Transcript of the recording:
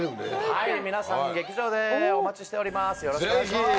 はい皆さん劇場でお待ちしております